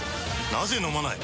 なぜ飲まない？